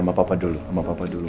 sama papa dulu mama kangen